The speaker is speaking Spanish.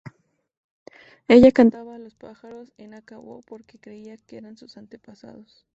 Ella cantaba a los pájaros en aka-bo porque creía que eran sus antepasados.